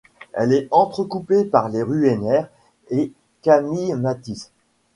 Elle est entrecoupée par les rues Henner et Camille-Mathis.